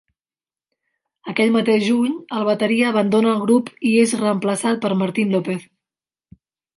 Aquell mateix juny el bateria abandona el grup i és reemplaçat per Martin López.